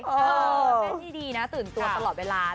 เต้นที่ดีนะตื่นตัวตลอดเวลา